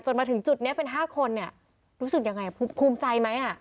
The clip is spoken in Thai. มาถึงจุดนี้เป็น๕คนเนี่ยรู้สึกยังไงภูมิใจไหม